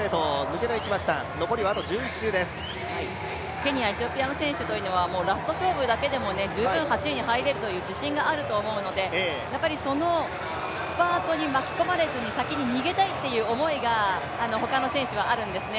ケニア、エチオピアの選手というのはラストの勝負だけで十分８位に入れるという自信があると思うのでそのスパートに巻き込まれずに先に逃げたいという思いが他の選手はあるんですね。